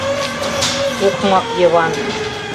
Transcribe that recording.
— Окмак Йыван!